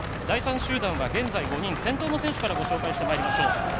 第３集団は現在５人先頭の選手からご紹介してまいりましょう。